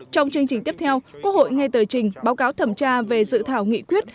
trong chương trình tiếp theo quốc hội nghe tờ trình báo cáo thẩm tra về dự thảo nghị quyết